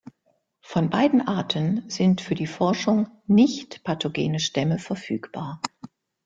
Von beiden Arten sind für die Forschung nicht-pathogene Stämme verfügbar.